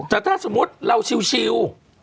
แต่ถ้าเราชิว